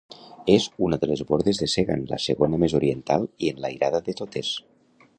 És una de les Bordes de Segan, la segona més oriental i enlairada de totes.